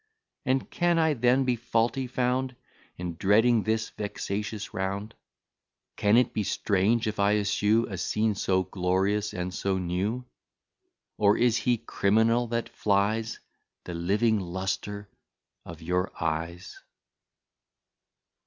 And can I then be faulty found, In dreading this vexatious round? Can it be strange, if I eschew A scene so glorious and so new? Or is he criminal that flies The living lustre of your eyes?"